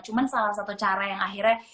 cuma salah satu cara yang akhirnya